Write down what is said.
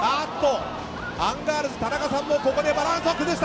アンガールズ田中さんもここでバランスを崩した。